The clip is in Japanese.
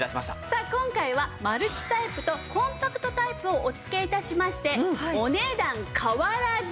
さあ今回はマルチタイプとコンパクトタイプをお付け致しましてお値段変わらず。